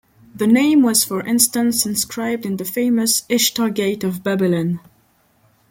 The name was for instance inscribed in the famous Ishtar Gate of Babylon.